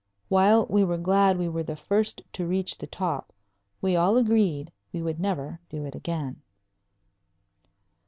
While we were glad we were the first to reach the top, we all agreed we would never do it again!